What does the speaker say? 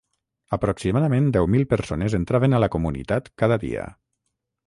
Aproximadament deu mil persones entraven a la comunitat cada dia.